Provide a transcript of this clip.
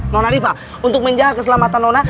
nona rifa untuk menjaga keselamatan nona